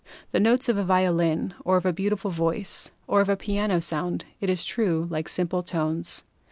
The notes of a violin, or of a beautiful voice, or of a piano sound, it is true, like simple tones.